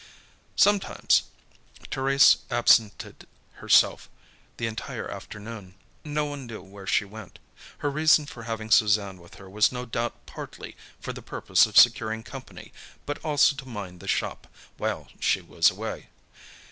Sometimes, Thérèse absented herself the entire afternoon. No one knew where she went. Her reason for having Suzanne with her was no doubt partly for the purpose of securing company but also to mind the shop, while she was away.